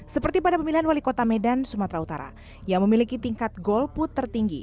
seperti pada pemilihan wali kota medan sumatera utara yang memiliki tingkat golput tertinggi